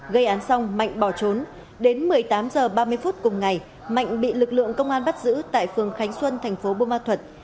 gây án xong mạnh bỏ trốn đến một mươi tám h ba mươi phút cùng ngày mạnh bị lực lượng công an bắt giữ tại phường khánh xuân thành phố bô ma thuật